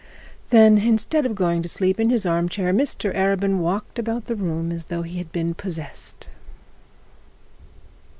Then, instead of going to sleep in his arm chair, Mr Arabin walked about the room as though he had been possessed.